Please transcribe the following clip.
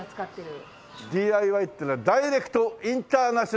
ＤＩＹっていうのはダイレクトインターナショナルイヤー。